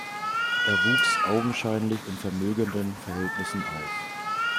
Er wuchs augenscheinlich in vermögenden Verhältnissen auf.